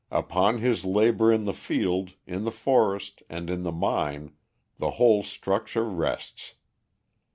Upon his labour in the field, in the forest, and in the mine, the whole structure rests.